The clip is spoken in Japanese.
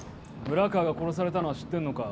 村川が殺されたのは知ってんのか？